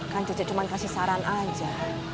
kan cuma kasih saran aja